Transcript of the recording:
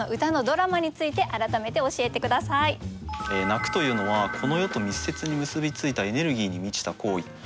「泣く」というのはこの世と密接に結び付いたエネルギーに満ちた行為。